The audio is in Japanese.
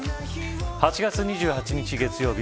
８月２８日月曜日